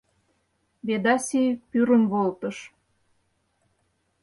Ведаси пӱрым волтыш.